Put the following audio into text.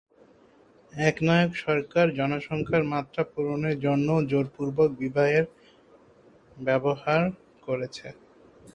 একনায়ক সরকার জনসংখ্যার মাত্রা পূরণের জন্যও জোরপূর্বক বিবাহের ব্যবহার করেছে।